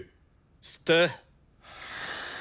吸って。